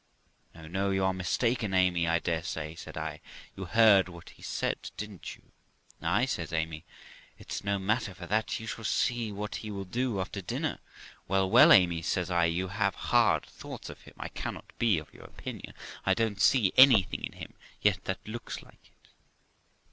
'No, no, you are mistaken, Amy, I dare say', said I; 'you have heard what he said, didn't you?' 'Ay', says Amy, 'it's no matter for that, you shall see what he will do after dinner.' 'Well, well, Amy ,' says I, ' you have hard thoughts of him. I cannot be of your opinion: I don't see anything in him yet that looks like it.'